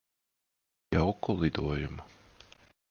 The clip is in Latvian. Jauku lidojumu.